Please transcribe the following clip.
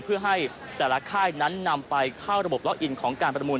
เพื่อให้แต่ละค่ายนั้นนำไปเข้าระบบล็อกอินของการประมูล